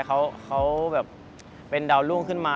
เขาเป็นดาวน์ลุ่งขึ้นมา